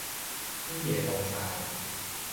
啲野凍曬啦!